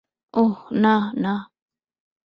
ওহ, না, না!